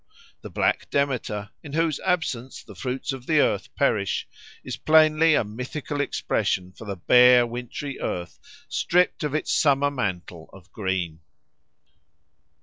The Black Demeter, in whose absence the fruits of the earth perish, is plainly a mythical expression for the bare wintry earth stripped of its summer mantle of green.